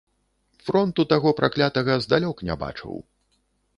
Фронту таго праклятага здалёк не бачыў.